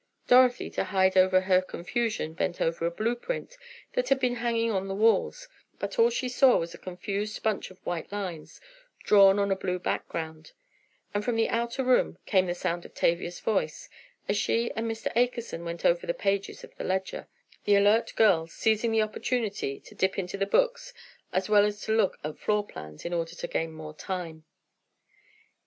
Dorothy to hide her confusion bent over a blue print that had been hanging on the walls, but all she saw was a confused bunch of white lines drawn on a blue background, and from the outer room came the sound of Tavia's voice, as she and Mr. Akerson went over the pages of the ledger, the alert girl seizing the opportunity to dip into the books as well as look at the floor plans in order to gain more time.